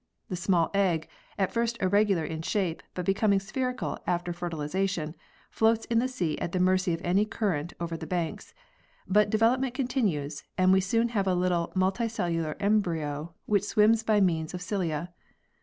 The small egg, at first irregular in shape, but becoming spherical after fertilisation, floats in the sea at the mercy of any current over the banks ; but development continues, and we soon have a little multicellular embryo which swims by means of cilia.